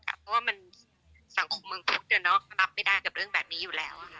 เพราะว่ามันสังคมเมืองทุกอย่างเนอะรับไม่ได้กับเรื่องแบบนี้อยู่แล้ว